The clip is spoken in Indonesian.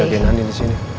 aku jagain andin di sini